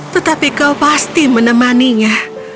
tetapi kau pasti menemaninya